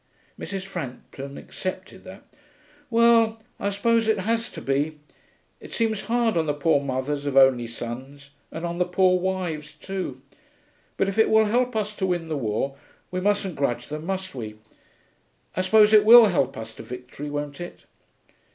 Mrs. Frampton accepted that. 'Well! I suppose it has to be. It seems hard on the poor mothers of only sons, and on the poor wives too. But if it will help us to win the war, we mustn't grudge them, must we? I suppose it will help us to victory, won't it?'